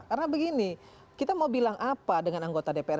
karena begini kita mau bilang apa dengan anggota dpr